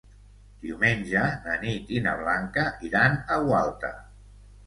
Diumenge na Nit i na Blanca iran a Gualta.